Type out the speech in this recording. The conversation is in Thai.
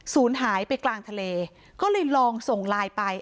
ศูนย์หายไปกลางทะเลก็เลยลองส่งไลน์ไป